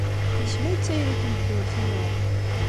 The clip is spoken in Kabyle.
D kemm ay d tayri n tmeddurt-inu.